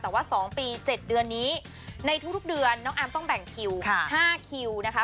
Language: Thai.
แต่ว่า๒ปี๗เดือนนี้ในทุกเดือนน้องอาร์มต้องแบ่งคิว๕คิวนะคะ